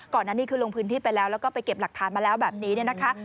นั้นนี่คือลงพื้นที่ไปแล้วแล้วก็ไปเก็บหลักฐานมาแล้วแบบนี้เนี่ยนะคะ